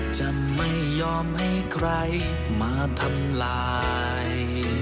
จะไม่ยอมให้ใครมาทำลาย